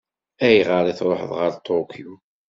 Ayɣer i tṛuḥeḍ ɣer Tokyo?